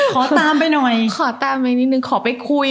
ชอบตามไปหน่อย